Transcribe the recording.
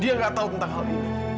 dia gak tahu tentang hal ini